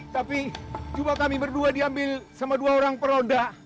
tapi coba kami berdua diambil sama dua orang peronda